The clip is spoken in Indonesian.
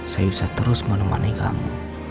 saya bisa terus menemani kamu